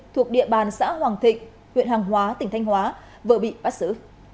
thuộc địa bàn xã hoàng thịnh huyện hàng hóa tỉnh thanh hóa vợ bị bắt xử